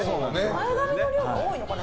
前髪の量が多いのかな？